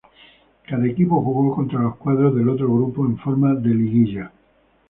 Cada equipo jugó contra los cuatro del otro grupo en forma de liguilla.